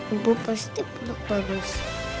ibu pasti peluk bagus